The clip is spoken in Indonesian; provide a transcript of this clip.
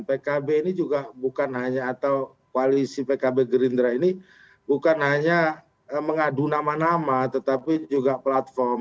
pkb ini juga bukan hanya atau koalisi pkb gerindra ini bukan hanya mengadu nama nama tetapi juga platform